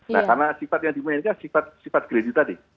nah karena sifat yang dimainin kan sifat kredit tadi